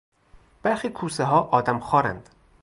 برخی کوسه ها آدمخوارند.